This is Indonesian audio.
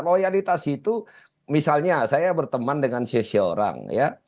loyalitas itu misalnya saya berteman dengan seseorang ya